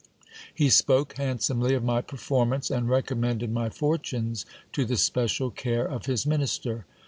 He spoke handsomely of my performance, and recommended my fortunes to the special care of his minister.